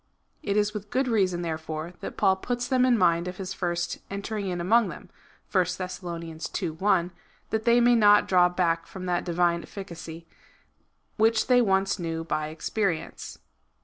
It is with good reason, therefore, that Paul puts them in mind of his first enter ing in among them, (1 Thess. ii. 1,) that they may not draw back from that divine efficacy, which they once knew by experience.